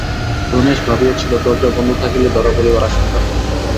রমেশ ভাবিয়াছিল, দরজা বন্ধ থাকিলেই ধরা পড়িবার আশঙ্কা নাই।